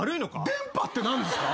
電波って何ですか？